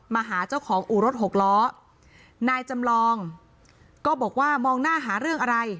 หาเจ้าของอู่รถหกล้อนายจำลองก็บอกว่ามองหน้าหาเรื่องอะไร